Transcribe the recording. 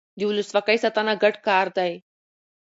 د ولسواکۍ ساتنه ګډ کار دی